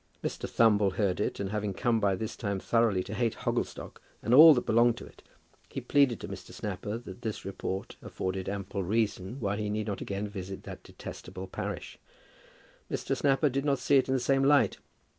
Mr. Thumble heard it, and having come by this time thoroughly to hate Hogglestock and all that belonged to it, he pleaded to Mr. Snapper that this report afforded ample reason why he need not again visit that detestable parish. Mr. Snapper did not see it in the same light.